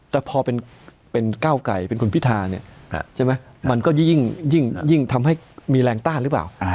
แต่พอเป็นก้าวไก่เป็นคุณพิธาเนี่ยใช่ไหมมันก็ยิ่งทำให้มีแรงต้านหรือเปล่า